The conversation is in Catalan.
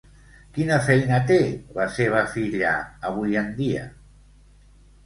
Quina feina té la seva filla avui en dia?